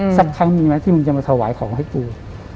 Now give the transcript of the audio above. สักครั้งมีไหมที่มึงจะมาถวายของให้กู